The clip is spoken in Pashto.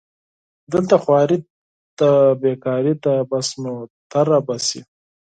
دلته خواري دې بېکاري ده بس نو تېره به شي